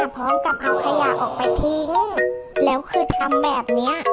พร้อมกับเอาขยะออกไปทิ้งแล้วคือทำแบบนี้